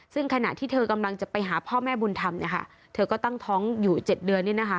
ซึ่งขณะที่เธอกำลังจะไปหาพ่อแม่บุญธรรมเธอก็ตั้งท้องอยู่๗เดือน